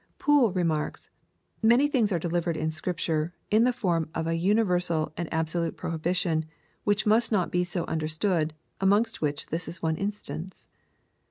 Poole remarks, "Many things are delivered in Scripture, in the form of an universal and absolute prohibition, which must not be so understood, amongst which this is one instance.